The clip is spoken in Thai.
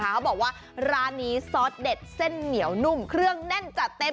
เขาบอกว่าร้านนี้ซอสเด็ดเส้นเหนียวนุ่มเครื่องแน่นจัดเต็ม